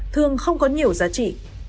thường không có nhiều giá trị